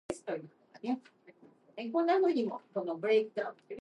No plans exist for implementing this idea.